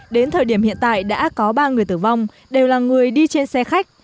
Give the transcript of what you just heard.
đến thời điểm hiện tại đã có ba người tử vong đều là người đi trên xe khách